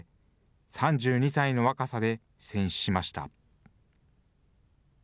３２歳の若さで戦死しました。